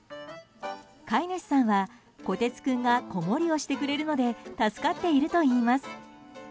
飼い主さんはこてつ君が子守をしてくれるので助かっているといいます。